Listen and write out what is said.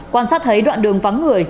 quan sát thấy đoạn đường vắng người